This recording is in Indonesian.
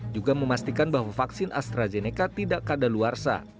juga memastikan bahwa vaksin astrazeneca tidak kadaluarsa